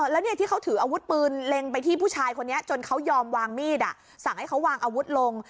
แล้วเนี่ยที่เขาถืออาวุธปืนเล็งไปที่ผู้ชายคนนี้จนเขายอมวางมีดสั่งให้เขาวางอาวุธลง